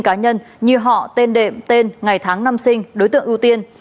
các thông tin cá nhân như họ tên đệm tên ngày tháng năm sinh đối tượng ưu tiên